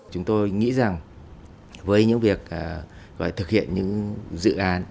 chúng tôi nghĩ rằng với những việc gọi thực hiện những dự án